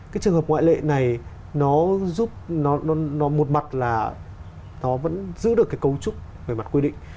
cái trường hợp ngoại lệ này nó giúp nó một mặt là nó vẫn giữ được cái cấu trúc về mặt quy định